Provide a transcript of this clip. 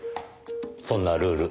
そんなルール